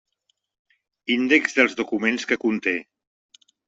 Índex dels documents que conté.